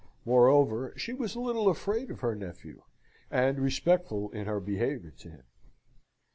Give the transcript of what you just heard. Moreover, she was a little afraid of her nephew, and respectful in her behaviour to him.